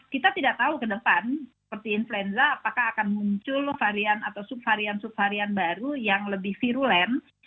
kita tidak tahu ke depan seperti influenza apakah akan muncul varian atau subvarian subvarian baru yang lebih virulen